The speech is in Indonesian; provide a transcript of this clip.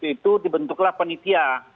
itu dibentuklah penitia